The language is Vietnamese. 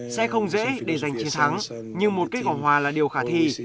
sẽ không dễ để giành chiến thắng nhưng một kết quả hòa là điều khả thi